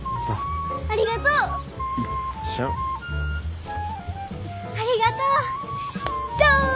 ありがとう。